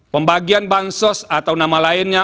pembagian bansos atau nama lainnya